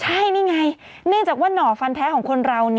ใช่นี่ไงเนื่องจากว่าหน่อฟันแท้ของคนเรา